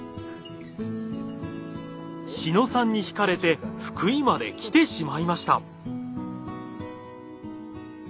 志野さんに惹かれて福井まで来てしまいました。